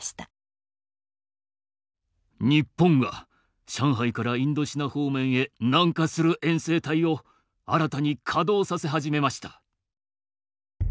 日本が上海からインドシナ方面へ南下する遠征隊を新たに稼働させ始めました。